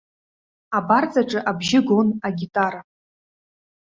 Абарҵаҿы абжьы гон агитара.